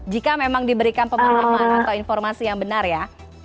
jika memang diberikan pemahaman atau informasi yang benar ya